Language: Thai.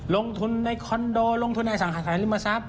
ลงทุนในคอนโดลงทุนในสังหาสายริมทรัพย